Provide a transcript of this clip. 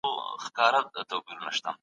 دا ګام پر ګام مرورتيا پریږده مئینه